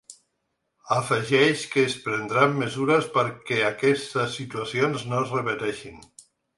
Afegeix que es prendran mesures perquè aquestes situacions no es repeteixin.